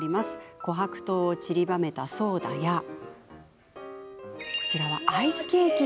こはく糖をちりばめたソーダやアイスケーキ。